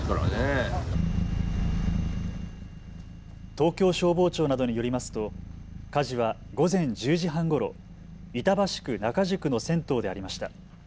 東京消防庁などによりますと火事は午前１０時半ごろ、板橋区仲宿の銭湯でありました。